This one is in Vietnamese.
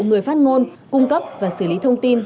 người phát ngôn cung cấp và xử lý thông tin